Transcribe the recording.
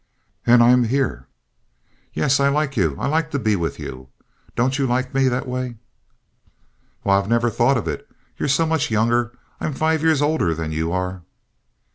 "And I'm here?" "Yes. I like you. I like to be with you. Don't you like me that way?" "Why, I've never thought of it. You're so much younger. I'm five years older than you are."